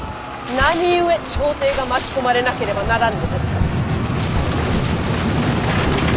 何故朝廷が巻き込まれなければならぬのですか。